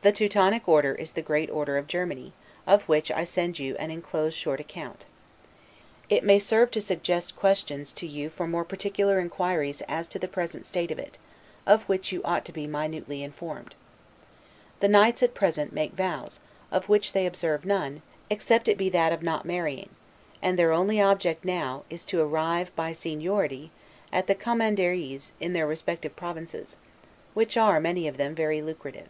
The Teutonic Order is the great Order of Germany, of which I send you inclosed a short account. It may serve to suggest questions to you for more particular inquiries as to the present state of it, of which you ought to be minutely informed. The knights, at present, make vows, of which they observe none, except it be that of not marrying; and their only object now is, to arrive, by seniority, at the Commanderies in their respective provinces; which are, many of them, very lucrative.